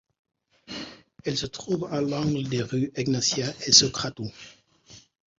Elle se trouve à l’angle des rues Egnatia et Sokratou.